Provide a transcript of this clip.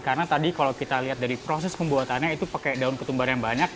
karena tadi kalau kita lihat dari proses pembuatannya itu pakai daun ketumbar yang banyak